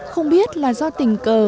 không biết là do tình cờ